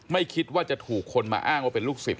ไม่คิดว่าจากนั้นจะถูกคนมาอ้างเป็นลูกศิษย์